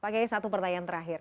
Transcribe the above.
pak gaya satu pertanyaan terakhir